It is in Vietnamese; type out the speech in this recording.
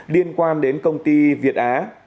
liên quan đến công ty việt á